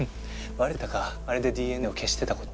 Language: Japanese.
バレてたかあれでＤＮＡを消してたこと。